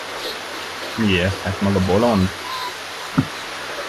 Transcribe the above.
Miért, hát maga bolond?